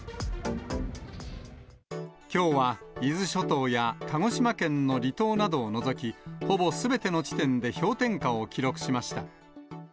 きょうは伊豆諸島や鹿児島県の離島などを除き、ほぼすべての地点で氷点下を記録しました。